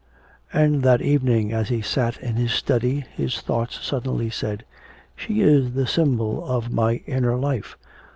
And that evening, as he sat in his study, his thoughts suddenly said: 'She is the symbol of my inner life.'